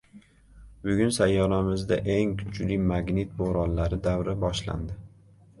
Bugun sayyoramizda eng kuchli "magnit bo‘ronlari davri" boshlandi